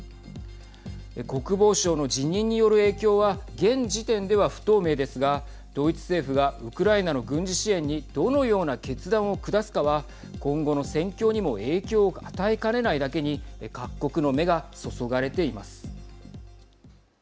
国防相の辞任による影響は現時点では不透明ですがドイツ政府がウクライナの軍事支援にどのような決断を下すかは今後の戦況にも影響を与えかねないだけに各国の目が注がれています。